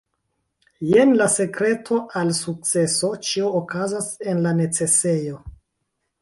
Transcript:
Jen la sekreto al sukceso ĉio okazas en la necesejo